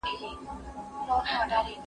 هغه څېړنه چي ګټه نلري باید ترسره نسي.